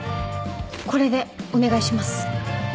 これでお願いします。